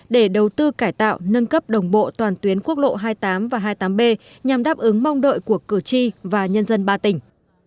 để đầu tư cải tạo nâng cấp đồng bộ toàn tuyến quốc lộ hai mươi tám và hai mươi tám b nhằm đáp ứng mong đợi của cử tri và nhân dân ba tỉnh